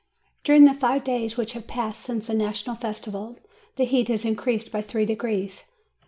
During the five days which have passed since the National Festival, the heat has increased by three degrees.